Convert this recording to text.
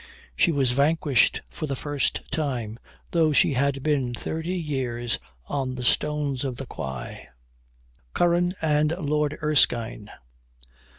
She was vanquished for the first time, though she had been "thirty years on the stones o' the quay." CURRAN AND LORD ERSKINE.